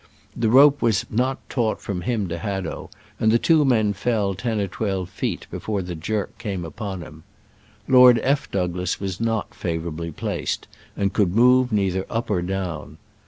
The rope was not taut from him to Hadow, and the two men fell ten or twelve feet before the jerk came upon him. Lord F. Douglas was not favorably placed, and could move neither up nor down.